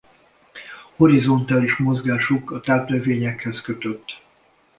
Horizontális mozgásuk a tápnövényekhez kötött.